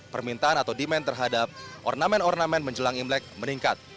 permintaan atau demand terhadap ornamen ornamen menjelang imlek meningkat